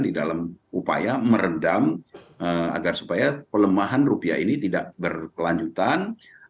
di dalam upaya meredam agar supaya pelemahan rupiah ini tidak berkelanjutan